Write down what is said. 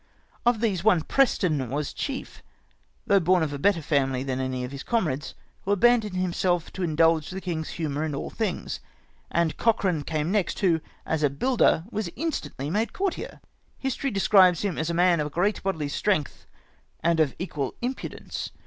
" Of these one Preston was Chief, though born of a better Family than any of his Comrades, who abandoned himself to indulge the King's Humour in all Things. And Cochkan came next, who, of a Builder was instantly made Courtier ! History describes Him as a Man of great Bodily Strength, and of equal Impudence